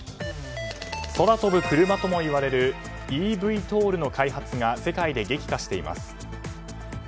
空飛ぶクルマともいわれるｅＶＴＯＬの開発が世界で激化しています。